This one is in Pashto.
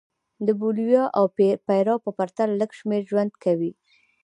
د بولیویا او پیرو په پرتله لږ شمېر ژوند کوي.